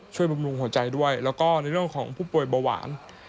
บำรุงหัวใจด้วยแล้วก็ในเรื่องของผู้ป่วยเบาหวาน